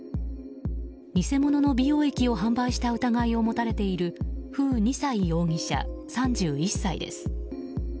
偽物の美容液を販売した疑いを持たれているフウ・ニサイ容疑者、３１歳です。